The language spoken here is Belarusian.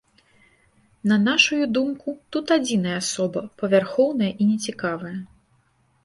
На нашую думку, тут адзіная асоба, павярхоўная і нецікавая.